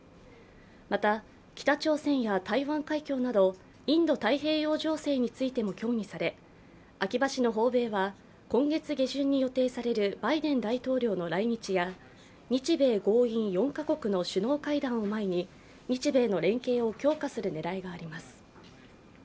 また、北朝鮮や台湾海峡などインド太平洋情勢についても協議され、秋葉氏の訪米は、今月下旬に予定されるバイデン大統領の来日や日米豪印４か国の首脳会談を前に日米連携を強化する狙いがあります。